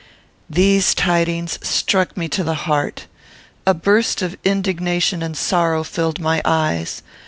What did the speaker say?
These tidings struck me to the heart. A burst of indignation and sorrow filled my eyes.